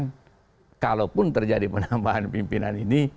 dan kalaupun terjadi penambahan pimpinan ini